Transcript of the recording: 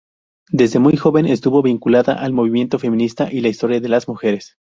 Desde muy joven estuvo vinculada al movimiento feminista y la historia de las mujeres.